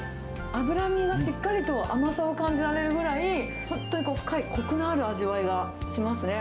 脂身がしっかりと甘さを感じられるくらい、本当に深いこくのある味わいがしますね。